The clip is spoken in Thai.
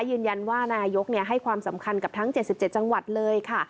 ยืนยันว่านายกให้ความสำคัญกับทั้ง๗๗จังหวัดเลยค่ะ